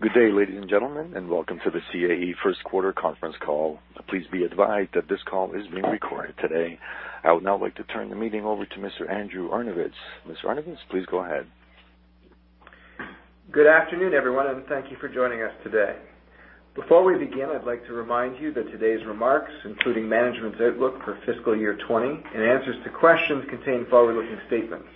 Good day, ladies and gentlemen, and welcome to the CAE first quarter conference call. Please be advised that this call is being recorded today. I would now like to turn the meeting over to Mr. Andrew Arnovitz. Mr. Arnovitz, please go ahead. Good afternoon, everyone, and thank you for joining us today. Before we begin, I'd like to remind you that today's remarks, including management's outlook for fiscal year 2020 and answers to questions, contain forward-looking statements.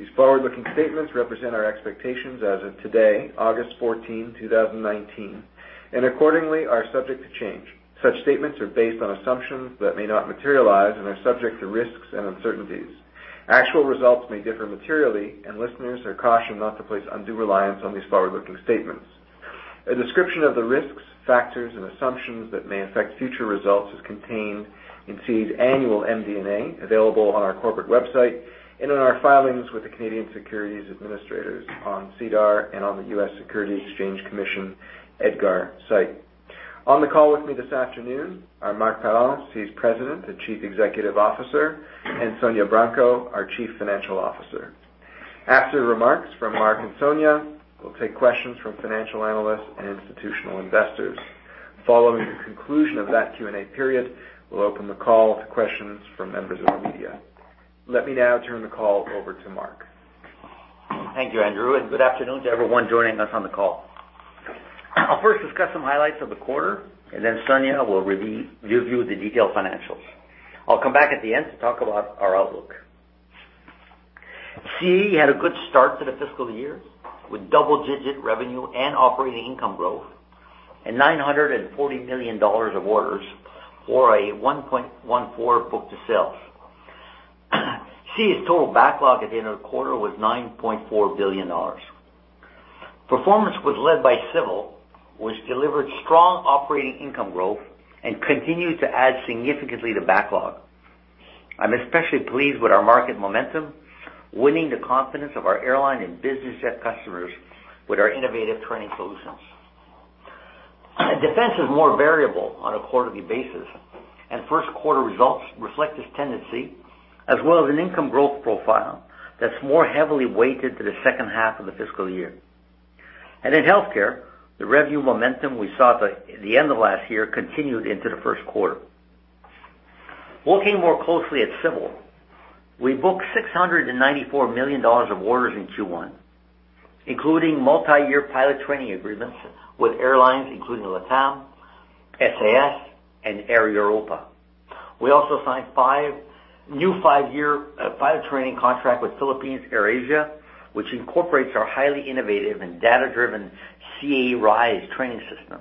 These forward-looking statements represent our expectations as of today, August 14, 2019, and accordingly are subject to change. Such statements are based on assumptions that may not materialize and are subject to risks and uncertainties. Actual results may differ materially, and listeners are cautioned not to place undue reliance on these forward-looking statements. A description of the risks, factors, and assumptions that may affect future results is contained in CAE's annual MD&A available on our corporate website and in our filings with the Canadian Securities Administrators on SEDAR and on the U.S. Securities and Exchange Commission EDGAR site. On the call with me this afternoon are Marc Parent, CAE's President and Chief Executive Officer, and Sonya Branco, our Chief Financial Officer. After remarks from Marc and Sonya, we'll take questions from financial analysts and institutional investors. Following the conclusion of that Q&A period, we'll open the call to questions from members of the media. Let me now turn the call over to Marc. Thank you, Andrew. Good afternoon to everyone joining us on the call. I'll first discuss some highlights of the quarter, and then Sonya will give you the detailed financials. I'll come back at the end to talk about our outlook. CAE had a good start to the fiscal year with double-digit revenue and operating income growth and 940 million dollars of orders or a 1.14 book-to-sales. CAE's total backlog at the end of the quarter was 9.4 billion dollars. Performance was led by Civil, which delivered strong operating income growth and continued to add significantly to backlog. I'm especially pleased with our market momentum, winning the confidence of our airline and business jet customers with our innovative training solutions. Defense is more variable on a quarterly basis. First quarter results reflect this tendency, as well as an income growth profile that's more heavily weighted to the second half of the fiscal year. In Healthcare, the revenue momentum we saw at the end of last year continued into the first quarter. Looking more closely at Civil, we booked 694 million dollars of orders in Q1, including multi-year pilot training agreements with airlines including LATAM, SAS, and Air Europa. We also signed a new 5-year pilot training contract with Philippines AirAsia, which incorporates our highly innovative and data-driven CAE Rise training system.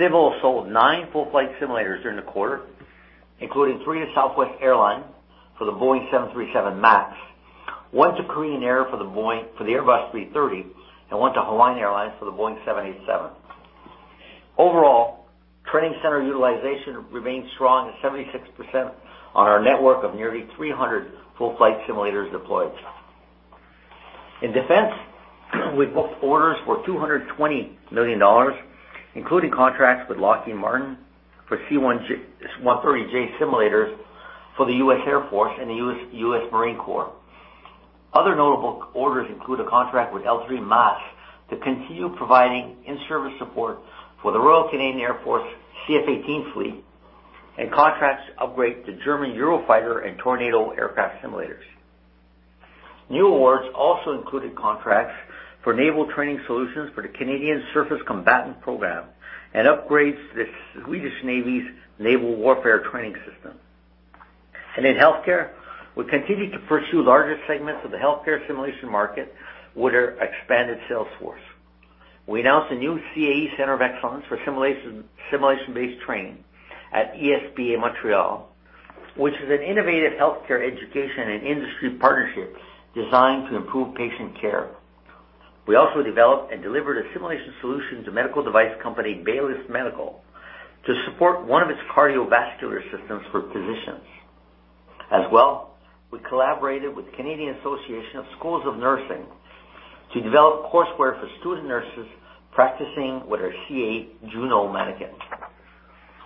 Civil sold 9 full flight simulators during the quarter, including 3 to Southwest Airlines for the Boeing 737 MAX, 1 to Korean Air for the Airbus A330, and 1 to Hawaiian Airlines for the Boeing 787. Overall, training center utilization remains strong at 76% on our network of nearly 300 full flight simulators deployed. In Defense, we booked orders for 220 million dollars, including contracts with Lockheed Martin for C-130J simulators for the U.S. Air Force and the U.S. Marine Corps. Other notable orders include a contract with L3 MAS to continue providing in-service support for the Royal Canadian Air Force CF-18 fleet, and contracts to upgrade the German Eurofighter and Tornado aircraft simulators. New awards also included contracts for naval training solutions for the Canadian Surface Combatant program and upgrades to the Swedish Navy's naval warfare training system. In Healthcare, we continue to pursue larger segments of the Healthcare simulation market with our expanded sales force. We announced a new CAE Center of Excellence for simulation-based training at ESP in Montreal, which is an innovative healthcare education and industry partnership designed to improve patient care. We also developed and delivered a simulation solution to medical device company Baylis Medical to support one of its cardiovascular systems for physicians. As well, we collaborated with the Canadian Association of Schools of Nursing to develop courseware for student nurses practicing with our CAE Juno manikin.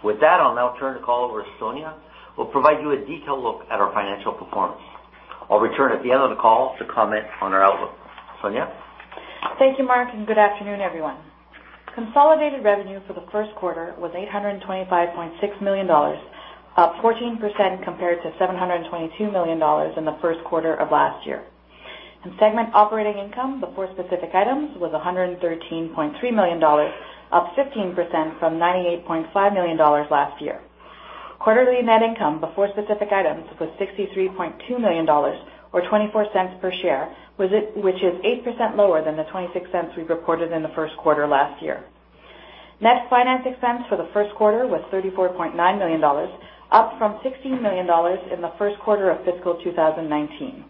With that, I'll now turn the call over to Sonya, who will provide you a detailed look at our financial performance. I'll return at the end of the call to comment on our outlook. Sonya? Thank you, Marc, good afternoon, everyone. Consolidated revenue for the first quarter was 825.6 million dollars, up 14% compared to 722 million dollars in the first quarter of last year. Segment operating income before specific items was 113.3 million dollars, up 15% from 98.5 million dollars last year. Quarterly net income before specific items was 63.2 million dollars or 0.24 per share, which is 8% lower than the 0.26 we reported in the first quarter last year. Net finance expense for the first quarter was 34.9 million dollars, up from 16 million dollars in the first quarter of fiscal 2019.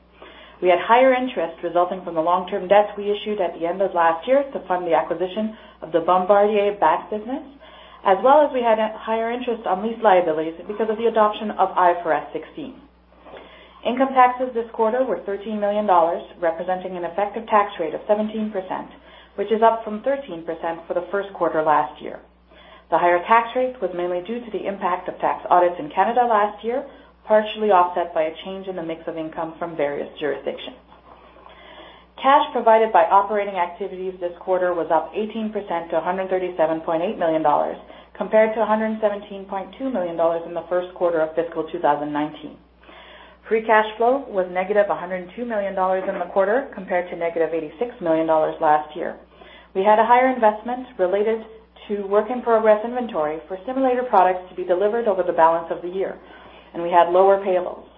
We had higher interest resulting from the long-term debts we issued at the end of last year to fund the acquisition of the Bombardier BAT business, as well as we had higher interest on lease liabilities because of the adoption of IFRS 16. Income taxes this quarter were 13 million dollars, representing an effective tax rate of 17%, which is up from 13% for the first quarter last year. The higher tax rate was mainly due to the impact of tax audits in Canada last year, partially offset by a change in the mix of income from various jurisdictions. Cash provided by operating activities this quarter was up 18% to 137.8 million dollars, compared to 117.2 million dollars in the first quarter of fiscal 2019. Free cash flow was negative 102 million dollars in the quarter, compared to negative 86 million dollars last year. We had a higher investment related to work-in-progress inventory for simulator products to be delivered over the balance of the year, and we had lower payables.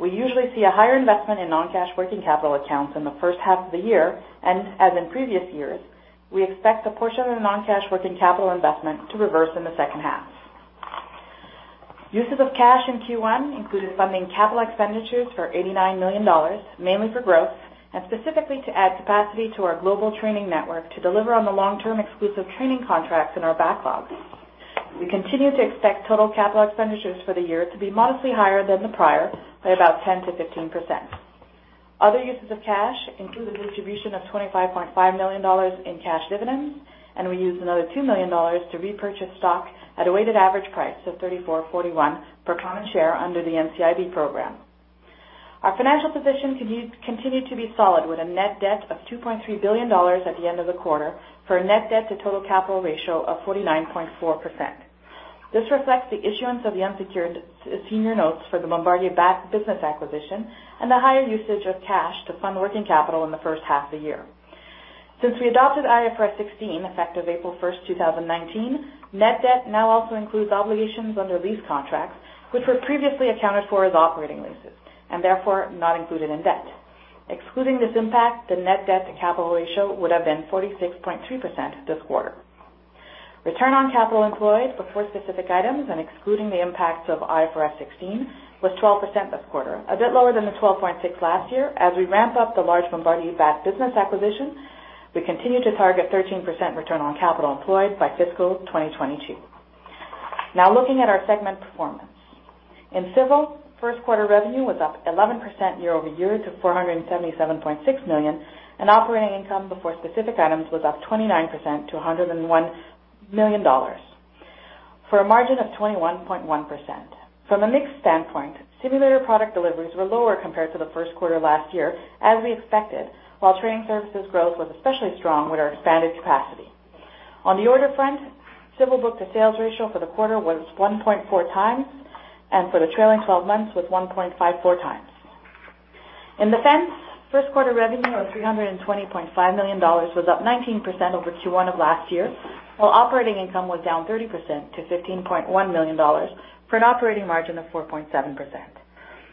We usually see a higher investment in non-cash working capital accounts in the first half of the year, and as in previous years, we expect a portion of the non-cash working capital investment to reverse in the second half. Uses of cash in Q1 included funding capital expenditures for 89 million dollars, mainly for growth, and specifically to add capacity to our global training network to deliver on the long-term exclusive training contracts in our backlog. We continue to expect total capital expenditures for the year to be modestly higher than the prior, by about 10%-15%. Other uses of cash include the distribution of 25.5 million dollars in cash dividends, and we used another 2 million dollars to repurchase stock at a weighted average price of 34.41 per common share under the NCIB program. Our financial position continued to be solid, with a net debt of 2.3 billion dollars at the end of the quarter for a net debt to total capital ratio of 49.4%. This reflects the issuance of the unsecured senior notes for the Bombardier business acquisition and the higher usage of cash to fund working capital in the first half of the year. Since we adopted IFRS 16, effective April 1st, 2019, net debt now also includes obligations under lease contracts, which were previously accounted for as operating leases and therefore not included in debt. Excluding this impact, the net debt to capital ratio would have been 46.3% this quarter. Return on capital employed before specific items and excluding the impacts of IFRS 16 was 12% this quarter, a bit lower than the 12.6% last year. As we ramp up the large Bombardier Business Aircraft Training business acquisition, we continue to target 13% return on capital employed by fiscal 2022. Looking at our segment performance. In civil, first quarter revenue was up 11% year-over-year to 477.6 million, and operating income before specific items was up 29% to 101 million dollars for a margin of 21.1%. From a mix standpoint, simulator product deliveries were lower compared to the first quarter last year, as we expected, while training services growth was especially strong with our expanded capacity. On the order front, civil book-to-sales ratio for the quarter was 1.4 times, and for the trailing 12 months was 1.54 times. In defense, first quarter revenue of 320.5 million dollars was up 19% over Q1 of last year, while operating income was down 30% to 15.1 million dollars, for an operating margin of 4.7%.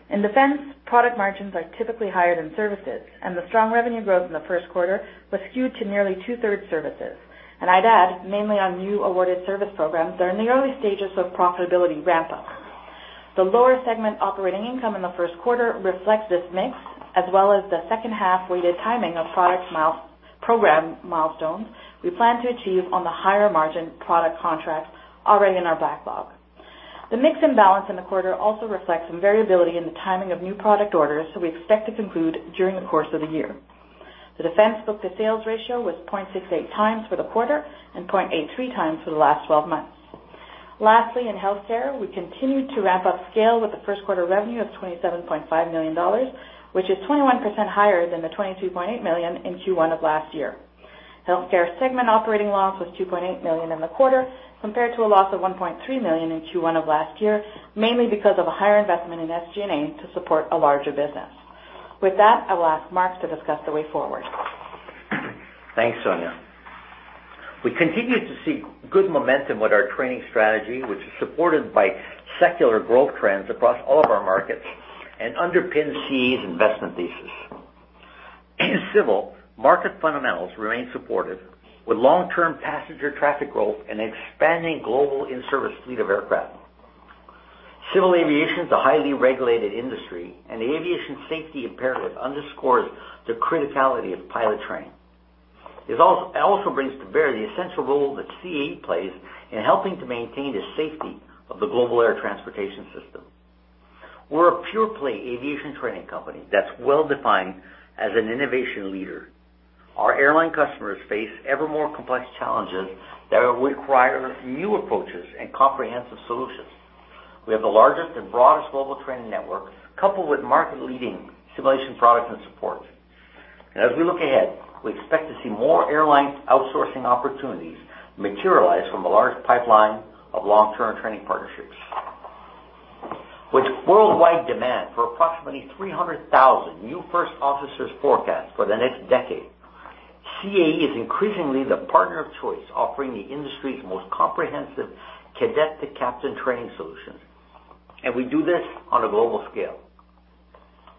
In Defense, product margins are typically higher than services, and the strong revenue growth in the first quarter was skewed to nearly two-thirds services, and I'd add, mainly on new awarded service programs that are in the early stages of profitability ramp-up. The lower segment operating income in the first quarter reflects this mix, as well as the second half-weighted timing of program milestones we plan to achieve on the higher margin product contracts already in our backlog. The mix imbalance in the quarter also reflects some variability in the timing of new product orders that we expect to conclude during the course of the year. The Defense book-to-sales ratio was 0.68 times for the quarter and 0.83 times for the last 12 months. Lastly, in Healthcare, we continued to ramp up scale with a first-quarter revenue of 27.5 million dollars, which is 21% higher than the 22.8 million in Q1 of last year. Healthcare segment operating loss was 2.8 million in the quarter compared to a loss of 1.3 million in Q1 of last year, mainly because of a higher investment in SG&A to support a larger business. With that, I will ask Marc to discuss the way forward. Thanks, Sonya. We continue to see good momentum with our training strategy, which is supported by secular growth trends across all of our markets and underpins CAE's investment thesis. In Civil, market fundamentals remain supportive with long-term passenger traffic growth and expanding global in-service fleet of aircraft. Civil aviation is a highly regulated industry. The aviation safety imperative underscores the criticality of pilot training. It also brings to bear the essential role that CAE plays in helping to maintain the safety of the global air transportation system. We're a pure-play aviation training company that's well-defined as an innovation leader. Our airline customers face ever more complex challenges that require new approaches and comprehensive solutions. We have the largest and broadest global training network coupled with market-leading simulation products and support. As we look ahead, we expect to see more airline outsourcing opportunities materialize from a large pipeline of long-term training partnerships. With worldwide demand for approximately 300,000 new first officers forecast for the next decade, CAE is increasingly the partner of choice, offering the industry's most comprehensive cadet-to-captain training solutions. We do this on a global scale.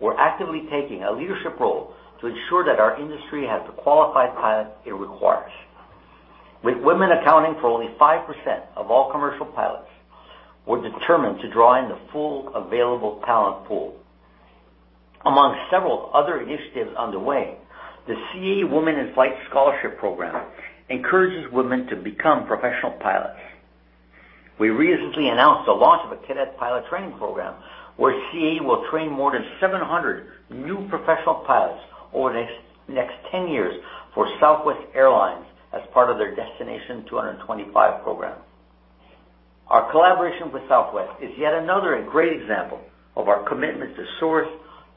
We're actively taking a leadership role to ensure that our industry has the qualified pilots it requires. With women accounting for only 5% of all commercial pilots, we're determined to draw in the full available talent pool. Among several other initiatives underway, the CAE Women in Flight Scholarship Program encourages women to become professional pilots. We recently announced the launch of a cadet pilot training program where CAE will train more than 700 new professional pilots over the next 10 years for Southwest Airlines as part of their Destination 225° program. Our collaboration with Southwest is yet another and great example of our commitment to source,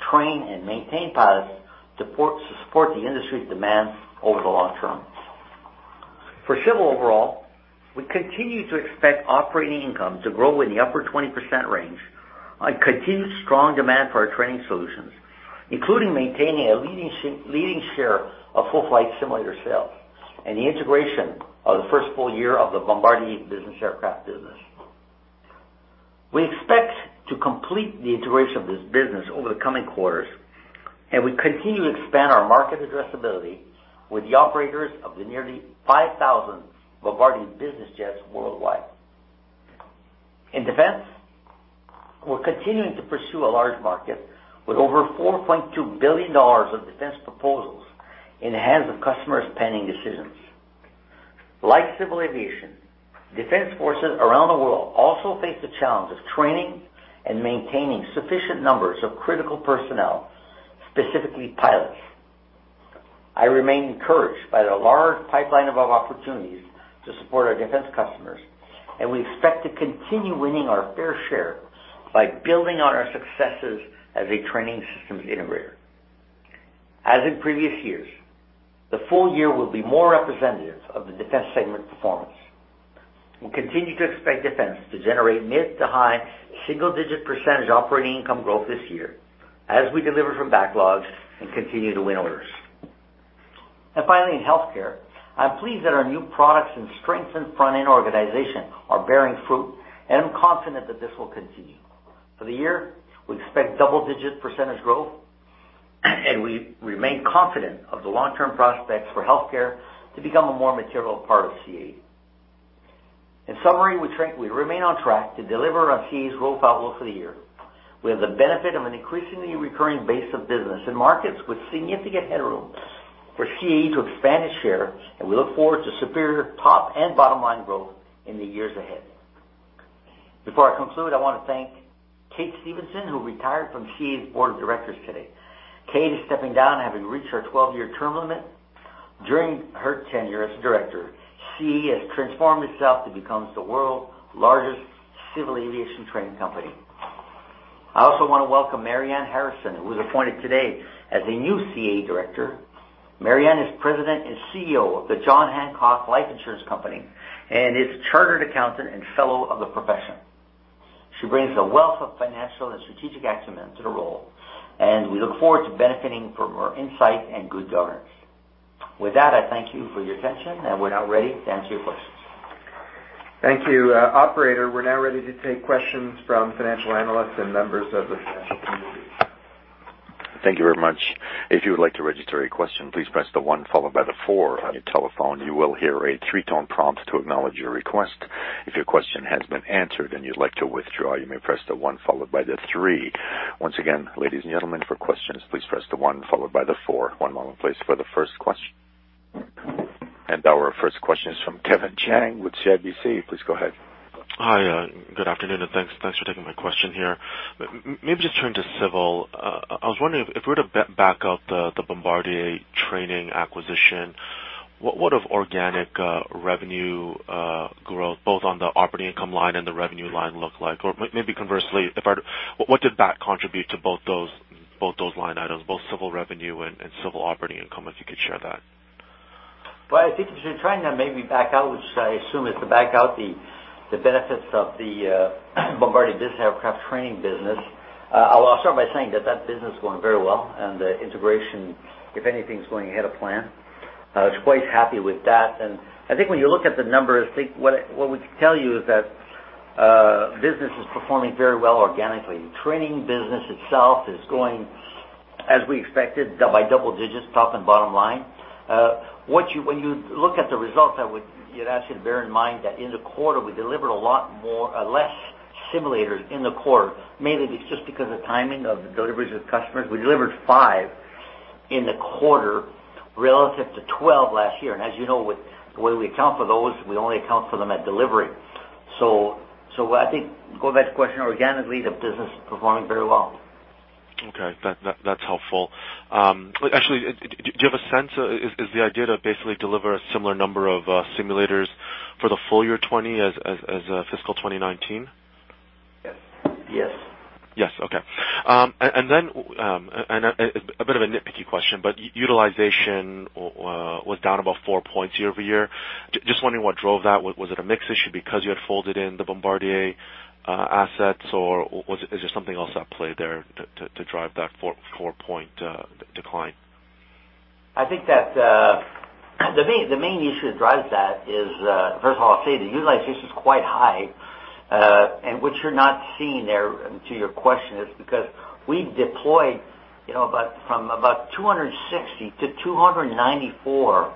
train, and maintain pilots to support the industry demand over the long term. For Civil overall, we continue to expect operating income to grow in the upper 20% range on continued strong demand for our training solutions, including maintaining a leading share of full flight simulator sales and the integration of the first full year of the Bombardier Business Aircraft business. We expect to complete the integration of this business over the coming quarters, and we continue to expand our market addressability with the operators of the nearly 5,000 Bombardier business jets worldwide. In Defense, we're continuing to pursue a large market with over 4.2 billion dollars of Defense proposals in the hands of customers pending decisions. Like civil aviation, defense forces around the world also face the challenge of training and maintaining sufficient numbers of critical personnel, specifically pilots. I remain encouraged by the large pipeline of opportunities to support our Defense customers. We expect to continue winning our fair share by building on our successes as a training systems integrator. As in previous years, the full year will be more representative of the Defense segment performance. We continue to expect Defense to generate mid to high single-digit % operating income growth this year as we deliver from backlogs and continue to win orders. Finally, in Healthcare, I'm pleased that our new products and strengthened front-end organization are bearing fruit, and I'm confident that this will continue. For the year, we expect double-digit % growth, and we remain confident of the long-term prospects for Healthcare to become a more material part of CAE. In summary, we remain on track to deliver on CAE's growth outlook for the year. We have the benefit of an increasingly recurring base of business and markets with significant headroom for CAE to expand its share. We look forward to superior top and bottom-line growth in the years ahead. Before I conclude, I want to thank Kate Stephenson, who retired from CAE's board of directors today. Kate is stepping down, having reached her 12-year term limit. During her tenure as director, CAE has transformed itself to become the world's largest civil aviation training company. I also want to welcome Marianne Harrison, who was appointed today as a new CAE director. Marianne is President and CEO of the John Hancock Life Insurance Company and is a chartered accountant and fellow of the profession. She brings a wealth of financial and strategic acumen to the role, and we look forward to benefiting from her insight and good governance. With that, I thank you for your attention, and we're now ready to answer your questions. Thank you. Operator, we are now ready to take questions from financial analysts and members of the financial community. Thank you very much. If you would like to register a question, please press the one followed by the four on your telephone. You will hear a three-tone prompt to acknowledge your request. If your question has been answered and you'd like to withdraw, you may press the one followed by the three. Once again, ladies and gentlemen, for questions, please press the one followed by the four. One moment please for the first question. Our first question is from Kevin Chiang with CIBC. Please go ahead. Hi. Good afternoon, thanks for taking my question here. Maybe just turn to Civil. I was wondering if we were to back out the Bombardier training acquisition, what would have organic revenue growth, both on the operating income line and the revenue line look like? Maybe conversely, what did that contribute to both those line items, both Civil revenue and Civil operating income, if you could share that. Well, I think if you're trying to maybe back out, which I assume is to back out the benefits of the Bombardier Business Aircraft Training business. I'll start by saying that that business is going very well, and the integration, if anything, is going ahead of plan. I was quite happy with that. I think when you look at the numbers, I think what we can tell you is that business is performing very well organically. Training business itself is going as we expected, by double digits, top and bottom line. When you look at the results, I would ask you to bear in mind that in the quarter, we delivered a lot less simulators in the quarter, mainly just because of timing of the deliveries with customers. We delivered five in the quarter relative to 12 last year. As you know, the way we account for those, we only account for them at delivery. I think going back to the question organically, the business is performing very well. Okay. That's helpful. Actually, do you have a sense, is the idea to basically deliver a similar number of simulators for the full year 2020 as fiscal 2019? Yes. Yes. Okay. A bit of a nitpicky question, utilization was down about four points year-over-year. Just wondering what drove that. Was it a mix issue because you had folded in the Bombardier assets, or is there something else at play there to drive that four-point decline? I think that the main issue that drives that is, first of all, I'll say the utilization is quite high. What you're not seeing there to your question is because we deployed from about 260 to 294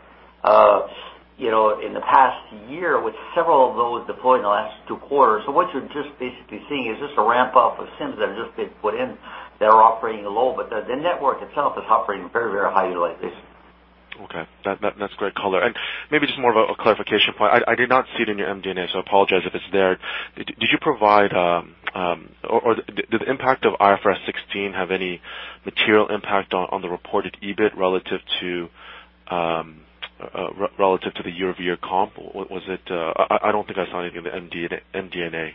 in the past year, with several of those deployed in the last two quarters. What you're just basically seeing is just a ramp-up of sims that are just being put in that are operating low. The network itself is operating very, very high utilization. Okay. That's great color. Maybe just more of a clarification point. I did not see it in your MD&A, so I apologize if it's there. Did the impact of IFRS 16 have any material impact on the reported EBIT relative to the year-over-year comp? I don't think I saw anything in the MD&A.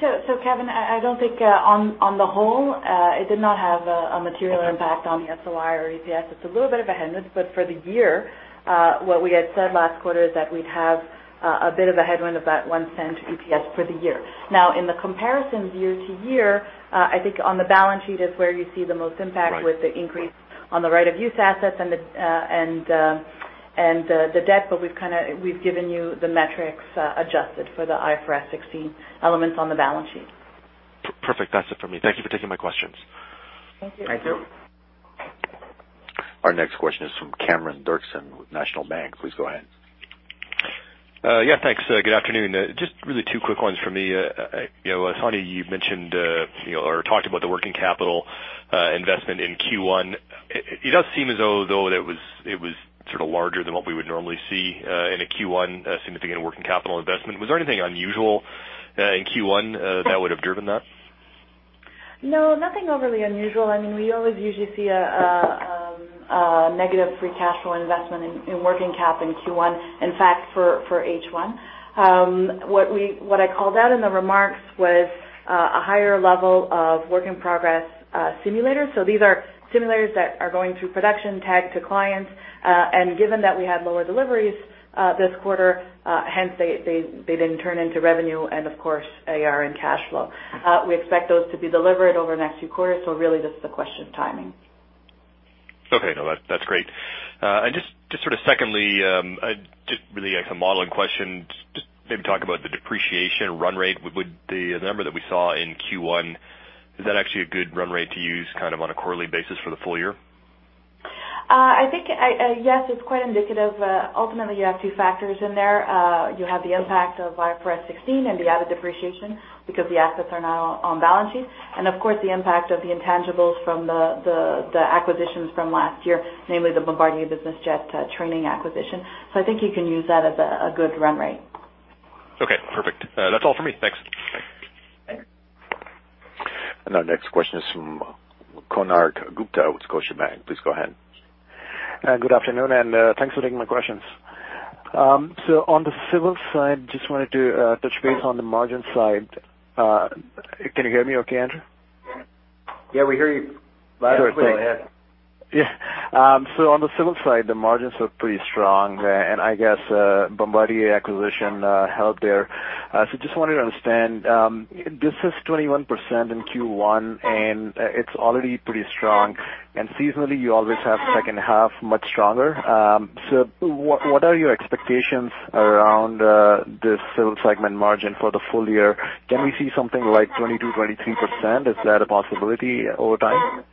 Kevin, I don't think on the whole, it did not have a material impact on the SOI or EPS. It's a little bit of a headwind, for the year, what we had said last quarter is that we'd have a bit of a headwind of that 0.01 EPS for the year. In the comparisons year to year, I think on the balance sheet is where you see the most impact with the increase on the right of use assets and the debt, we've given you the metrics adjusted for the IFRS 16 elements on the balance sheet. Perfect. That's it for me. Thank you for taking my questions. Thank you. Thank you. Our next question is from Cameron Doerksen with National Bank. Please go ahead. Yeah, thanks. Good afternoon. Just really two quick ones for me. Sonya, you mentioned, or talked about the working capital investment in Q1. It does seem as though it was sort of larger than what we would normally see in a Q1 significant working capital investment. Was there anything unusual in Q1 that would have driven that? No, nothing overly unusual. We always usually see a negative free cash flow investment in working cap in Q1. In fact, for H1. What I called out in the remarks was a higher level of work-in-progress simulators. These are simulators that are going through production tagged to clients. Given that we had lower deliveries this quarter, hence they didn't turn into revenue and of course, AR and cash flow. We expect those to be delivered over the next few quarters. Really this is a question of timing. Okay. No, that's great. Just sort of secondly, just really like a modeling question, just maybe talk about the depreciation run rate. Would the number that we saw in Q1, is that actually a good run rate to use on a quarterly basis for the full year? I think, yes, it's quite indicative. Ultimately, you have two factors in there. You have the impact of IFRS 16 and the added depreciation because the assets are now on balance sheet. Of course, the impact of the intangibles from the acquisitions from last year, namely the Bombardier Business Aircraft Training acquisition. I think you can use that as a good run rate. Okay, perfect. That's all for me. Thanks. Thanks. Our next question is from Konark Gupta with Scotiabank. Please go ahead. Good afternoon, and thanks for taking my questions. On the civil side, just wanted to touch base on the margin side. Can you hear me okay, Andrew? Yeah, we hear you loud and clear. Go ahead. Yeah. On the civil side, the margins look pretty strong, and I guess Bombardier acquisition helped there. Just wanted to understand, this is 21% in Q1, and it is already pretty strong, and seasonally, you always have second half much stronger. What are your expectations around this civil segment margin for the full year? Can we see something like 22%, 23%? Is that a possibility over time?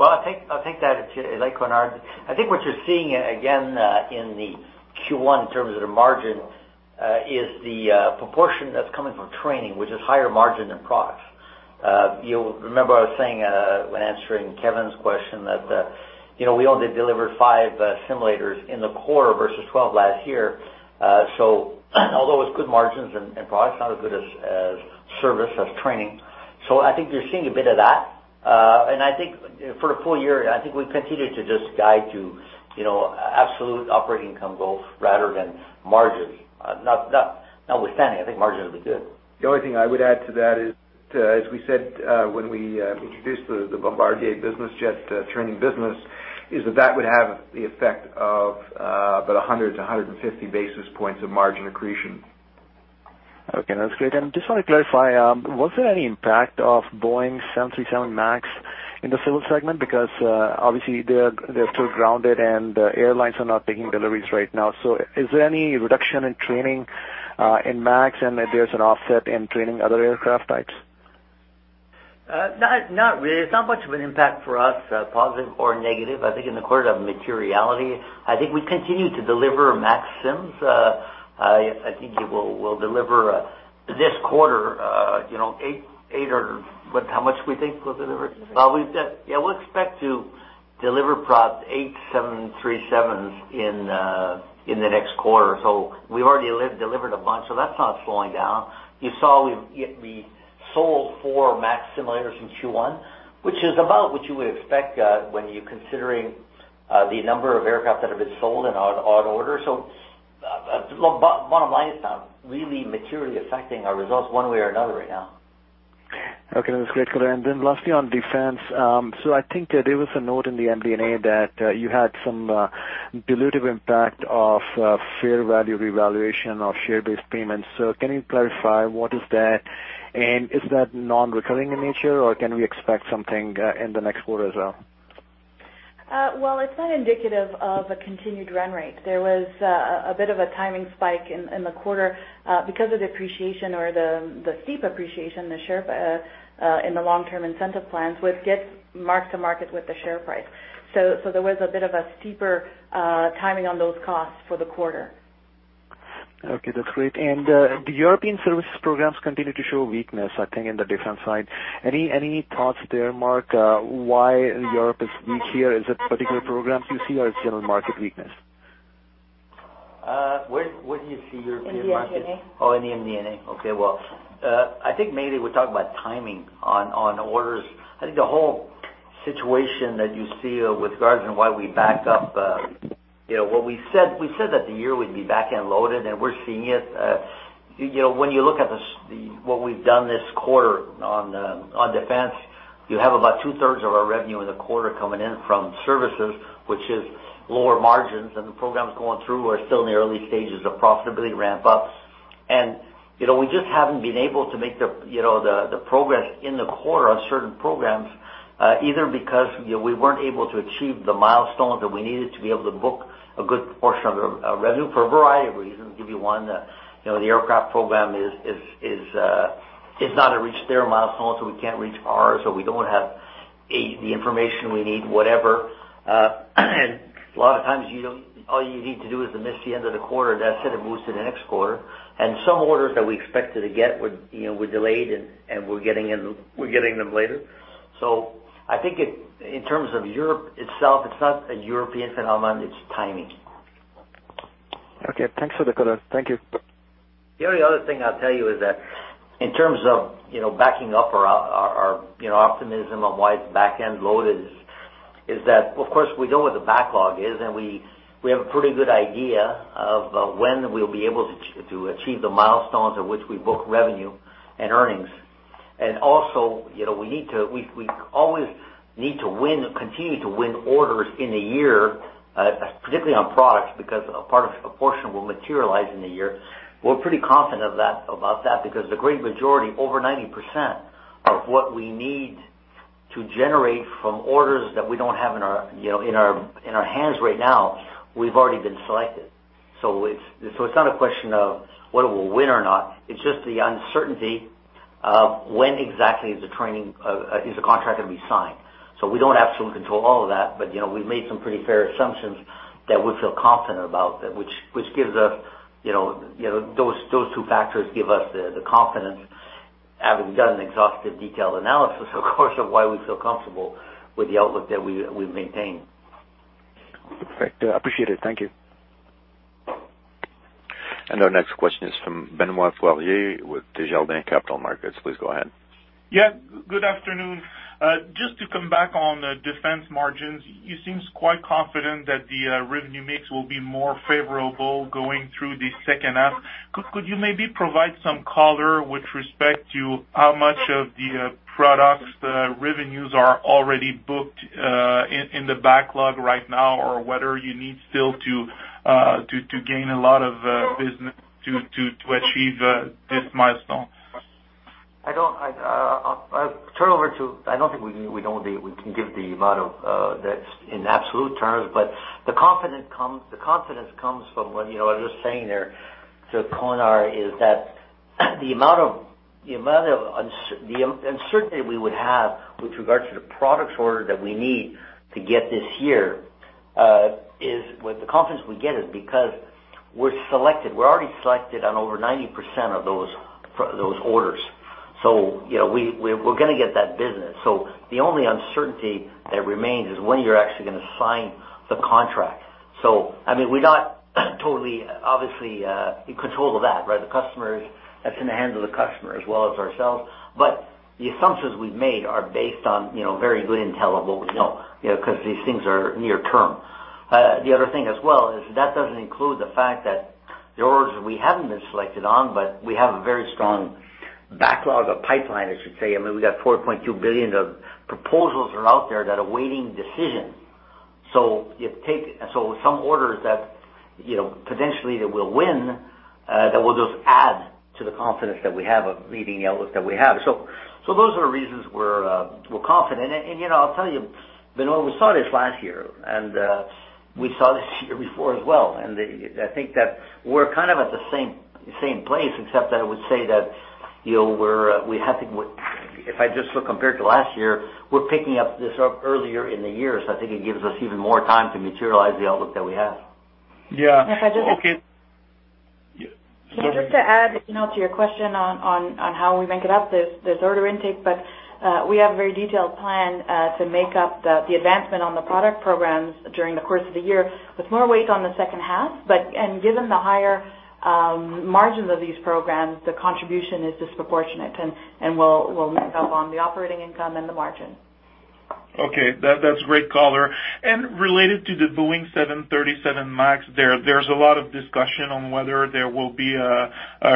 Well, I think what you're seeing again, in the Q1 in terms of the margin, is the proportion that's coming from Training, which is higher margin than Products. You'll remember I was saying when answering Kevin's question that we only delivered five simulators in the quarter versus 12 last year. Although it's good margins and Products, not as good as Training. I think for the full year, I think we've continued to just guide to absolute operating income goals rather than margins. Notwithstanding, I think margins will be good. The only thing I would add to that is as we said when we introduced the Bombardier Business Jet Training business, is that that would have the effect of about 100 to 150 basis points of margin accretion. Okay, that's great. Just want to clarify, was there any impact of Boeing 737 MAX in the civil segment? Obviously they're still grounded, and airlines are not taking deliveries right now. Is there any reduction in training in MAX, and if there's an offset in training other aircraft types? Not really. It's not much of an impact for us, positive or negative. I think in the quarter of materiality, I think we continue to deliver MAX sims. I think we'll deliver this quarter, eight or how much we think we'll deliver? We'll expect to deliver product 737s in the next quarter. We've already delivered a bunch, so that's not slowing down. You saw we sold four MAX simulators in Q1, which is about what you would expect when you're considering the number of aircraft that have been sold and on order. Bottom line, it's not really materially affecting our results one way or another right now. Okay. That's great color. Lastly, on defense. I think there was a note in the MD&A that you had some dilutive impact of fair value revaluation of share-based payments. Can you clarify what is that, and is that non-recurring in nature, or can we expect something in the next quarter as well? Well, it's not indicative of a continued run rate. There was a bit of a timing spike in the quarter because of the appreciation or the steep appreciation in the long-term incentive plans, which gets marked to market with the share price. There was a bit of a steeper timing on those costs for the quarter. Okay, that's great. The European services programs continue to show weakness, I think, in the defense side. Any thoughts there, Marc, why Europe is weak here? Is it particular programs you see, or it's general market weakness? Where do you see European market? In the MD&A. In the MD&A. Okay. Well, I think mainly we're talking about timing on orders. I think the whole situation that you see with regards on why we backed up. We said that the year would be back-end loaded, and we're seeing it. When you look at what we've done this quarter on defense, you have about two-thirds of our revenue in the quarter coming in from services, which is lower margins, and the programs going through are still in the early stages of profitability ramp up. We just haven't been able to make the progress in the quarter on certain programs, either because we weren't able to achieve the milestones that we needed to be able to book a good portion of the revenue for a variety of reasons. The aircraft program is not able to reach their milestones, so we can't reach ours, so we don't have the information we need, whatever. A lot of times, all you need to do is to miss the end of the quarter, that said, it moves to the next quarter. Some orders that we expected to get were delayed and we're getting them later. I think in terms of Europe itself, it's not a European phenomenon. It's timing. Okay. Thanks for the color. Thank you. The only other thing I'll tell you is that in terms of backing up our optimism on why it's back-end loaded is that, of course, we know where the backlog is, and we have a pretty good idea of when we'll be able to achieve the milestones at which we book revenue and earnings. Also, we always need to continue to win orders in a year, particularly on products, because a portion will materialize in a year. We're pretty confident about that because the great majority, over 90%, of what we need to generate from orders that we don't have in our hands right now, we've already been selected. It's not a question of whether we'll win or not. It's just the uncertainty of when exactly is the contract going to be signed. We don't have absolute control of all of that, but we've made some pretty fair assumptions that we feel confident about. Those two factors give us the confidence, having done an exhaustive detailed analysis, of course, of why we feel comfortable with the outlook that we maintain. Perfect. I appreciate it. Thank you. Our next question is from Benoit Poirier with Desjardins Capital Markets. Please go ahead. Good afternoon. Just to come back on Defense margins, you seem quite confident that the revenue mix will be more favorable going through the second half. Could you maybe provide some color with respect to how much of the products the revenues are already booked, in the backlog right now or whether you need still to gain a lot of business to achieve this milestone? I don't think we can give the amount of that in absolute terms, but the confidence comes from what I was just saying there to Konark, is that the uncertainty we would have with regards to the products order that we need to get this year, is with the confidence we get is because we're selected. We're already selected on over 90% of those orders. We're going to get that business. The only uncertainty that remains is when you're actually going to sign the contract. I mean, we're not totally, obviously, in control of that, right? That's in the hands of the customer as well as ourselves. The assumptions we've made are based on very good intel of what we know, because these things are near term. The other thing as well is that doesn't include the fact that there are orders we haven't been selected on, but we have a very strong backlog of pipeline, I should say. I mean, we got 4.2 billion of proposals are out there that are awaiting decision. Some orders that potentially that we'll win, that will just add to the confidence that we have of meeting the outlook that we have. Those are the reasons we're confident. I'll tell you, Benoit, we saw this last year, and we saw this year before as well, and I think that we're kind of at the same place, except that I would say that if I just look compared to last year, we're picking up this up earlier in the year. I think it gives us even more time to materialize the outlook that we have. Yeah. Okay. Just to add to your question on how we make it up, this order intake. We have a very detailed plan to make up the advancement on the product programs during the course of the year with more weight on the second half. Given the higher margins of these programs, the contribution is disproportionate and will make up on the operating income and the margin. Okay. That's great color. Related to the Boeing 737 MAX, there's a lot of discussion on whether there will be a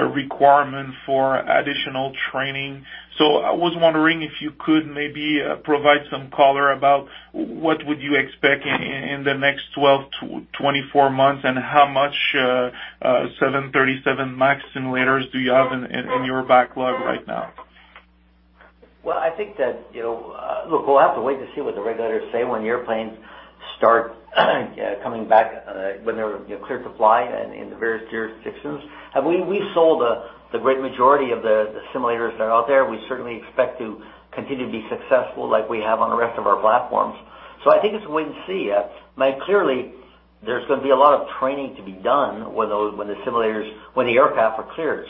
requirement for additional training. I was wondering if you could maybe provide some color about what would you expect in the next 12 to 24 months, and how much 737 MAX simulators do you have in your backlog right now? Well, I think that, look, we'll have to wait to see what the regulators say when the airplanes start coming back, when they're cleared to fly in the various jurisdictions. We sold the great majority of the simulators that are out there. We certainly expect to continue to be successful like we have on the rest of our platforms. I think it's wait and see. I mean, clearly, there's going to be a lot of training to be done when the aircraft are cleared.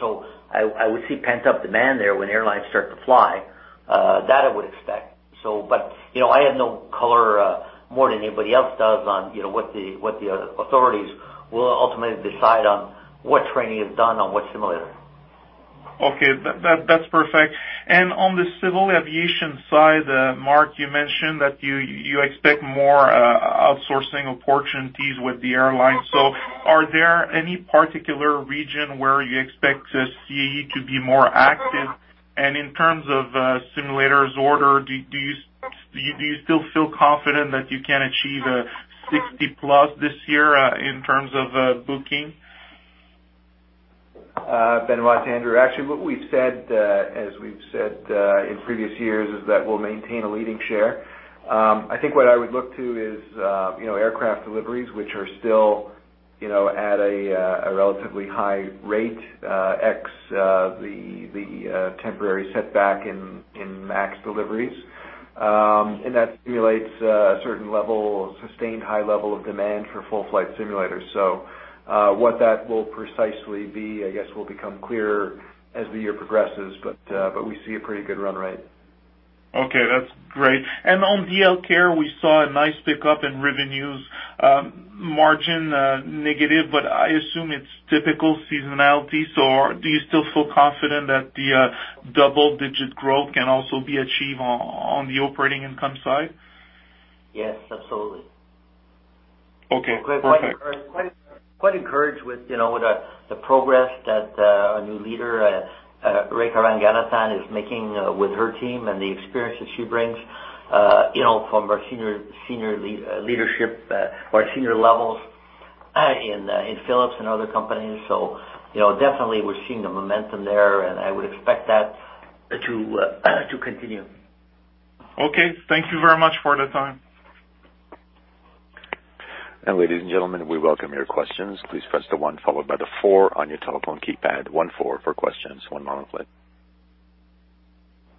I would see pent-up demand there when airlines start to fly. That I would expect. I have no color more than anybody else does on what the authorities will ultimately decide on what training is done on what simulators. Okay. That's perfect. On the civil aviation side, Marc, you mentioned that you expect more outsourcing opportunities with the airlines. Are there any particular region where you expect CAE to be more active? In terms of simulators order, do you still feel confident that you can achieve 60+ this year in terms of booking? Benoit, Andrew. Actually, what we've said, as we've said in previous years, is that we'll maintain a leading share. I think what I would look to is aircraft deliveries, which are still at a relatively high rate ex the temporary setback in MAX deliveries. What that will precisely be, I guess, will become clearer as the year progresses, but we see a pretty good run rate. Okay, that's great. On Healthcare, we saw a nice pickup in revenues margin, negative, but I assume it's typical seasonality. Do you still feel confident that the double-digit growth can also be achieved on the operating income side? Yes, absolutely. Okay, perfect. Quite encouraged with the progress that our new leader, Rekha Ranganathan, is making with her team and the experience that she brings from our senior leadership or senior levels in Philips and other companies. Definitely we're seeing the momentum there, and I would expect that to continue. Okay. Thank you very much for the time. Ladies and gentlemen, we welcome your questions. Please press the one followed by the four on your telephone keypad, one, four for questions. One moment, please.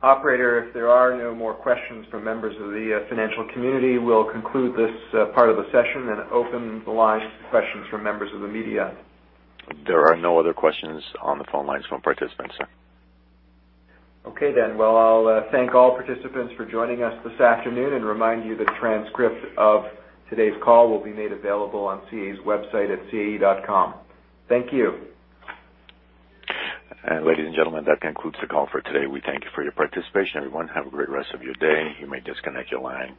Operator, if there are no more questions from members of the financial community, we'll conclude this part of the session and open the line for questions from members of the media. There are no other questions on the phone lines from participants, sir. Okay. Well, I'll thank all participants for joining us this afternoon and remind you that transcript of today's call will be made available on CAE's website at cae.com. Thank you. Ladies and gentlemen, that concludes the call for today. We thank you for your participation, everyone. Have a great rest of your day. You may disconnect your line.